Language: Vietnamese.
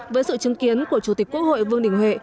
với sự chứng kiến của chủ tịch quốc hội vương đình huệ